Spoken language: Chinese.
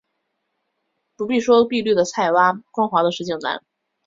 不必说碧绿的菜畦，光滑的石井栏